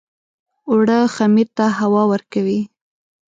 اوړه خمیر ته هوا ورکوي